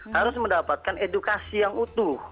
harus mendapatkan edukasi yang utuh